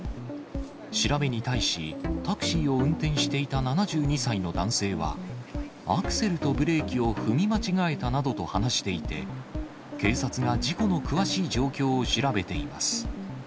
調べに対し、タクシーを運転していた７２歳の男性は、アクセルとブレーキを踏み間違えたなどと話していて、警察が事故の詳しい状況を調べています。